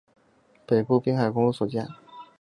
北部滨海公路所见